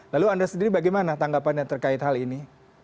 lalu anda sendiri bagaimana tanggapan yang terkait hal ini